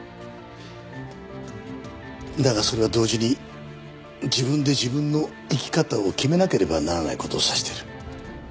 だがそれは同時に自分で自分の生き方を決めなければならない事を指している。